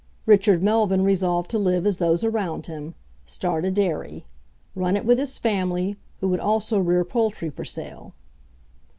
Richard Melvyn resolved to live as those around him start a dairy; run it with his family, who would also rear poultry for sale.